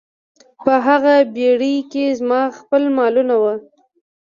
په هغه بیړۍ کې زما خپل مالونه وو.